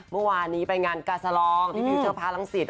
เมื่อวานี้ไปงานการ์ซาลองที่นิวเชิงพรร้างศิษย์